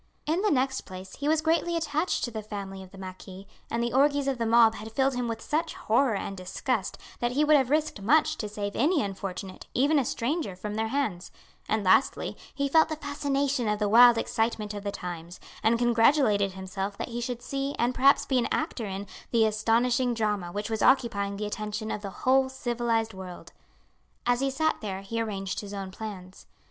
In the next place he was greatly attached to the family of the marquis; and the orgies of the mob had filled him with such horror and disgust that he would have risked much to save any unfortunate, even a stranger, from their hands; and lastly, he felt the fascination of the wild excitement of the times, and congratulated himself that he should see and perhaps be an actor in the astonishing drama which was occupying the attention of the whole civilized world. As he sat there he arranged his own plans.